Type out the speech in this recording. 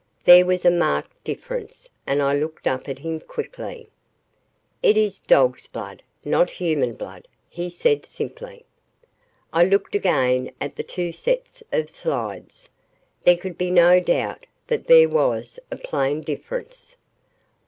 There was a marked difference and I looked up at him quickly. "It is dog's blood not human blood," he said simply. I looked again at the two sets of slides. There could be no doubt that there was a plain difference.